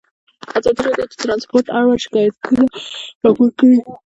ازادي راډیو د ترانسپورټ اړوند شکایتونه راپور کړي.